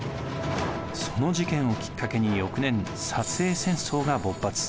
その事件をきっかけに翌年英戦争が勃発。